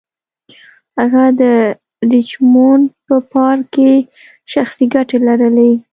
هغه د ریچمونډ په پارک کې شخصي ګټې لرلې.